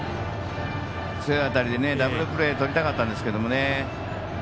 強い当たりでダブルプレーとりたかったんですけどね。